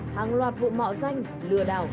hàng loạt vụ mạo danh lừa đảo